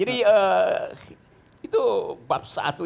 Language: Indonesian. itu bab satu